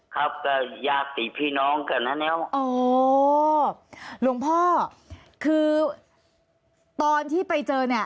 ครับก็ญาติพี่น้องกันนะแนวอ๋อหลวงพ่อคือตอนที่ไปเจอเนี่ย